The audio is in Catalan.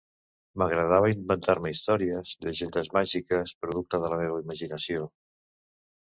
M'agradava inventar-me històries, llegendes màgiques, producte de la meua imaginació.